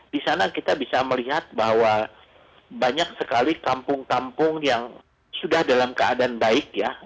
di sana kita bisa melihat bahwa banyak sekali kampung kampung yang sudah dalam keadaan baik ya